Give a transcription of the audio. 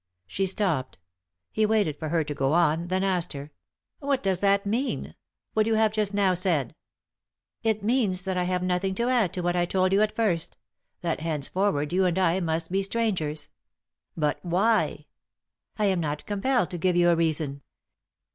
She stopped. He waited for her to go on, then asked her: "What does that mean ?— what you have just now said." " It means that I have nothing to add to what I told you at first— that henceforward you and I must be strangers." "But why?" " I am not compelled to give you a reason."